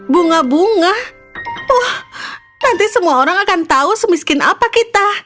bunga bunga wah nanti semua orang akan tahu semiskin apa kita